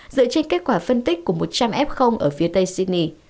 dựa trên kết quả phân tích của một trăm linh f ở phía tây sydney